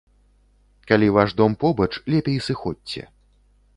Калі ваш дом побач, лепей сыходзьце.